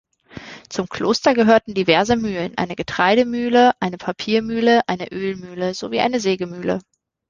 Zum Kloster gehörten diverse Mühlen: eine Getreidemühle, eine Papiermühle, eine Ölmühle, sowie eine Sägemühle.